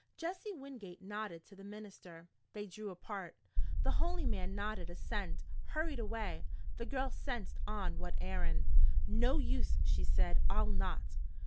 Jesse Wingate nodded to the minister. They drew apart. The holy man nodded assent, hurried away the girl sensed on what errand. "No use!" she said. "I'll not!"